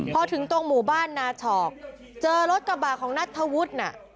พอถึงตรงหมู่บ้านนาฉอกเจอรถกระบะของนัทธวุฒิน่ะ